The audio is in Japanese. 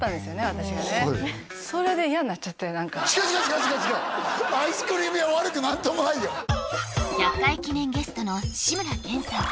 私がねそれで嫌になっちゃって何か違う違う違う違う違うアイスクリーム屋悪くも何ともないよ１００回記念ゲストの志村けんさん